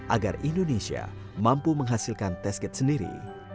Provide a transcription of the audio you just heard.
agar indonesia mampu menghasilkan test kit sendiri